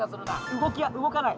動き動かない。